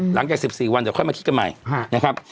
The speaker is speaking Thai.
หลังจาก๑๔วันเดี๋ยวค่อยมาคิดกันใหม่นะครับ